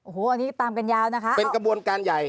โอ้โหอันนี้ตามกันยาวนะคะเป็นกระบวนการใหญ่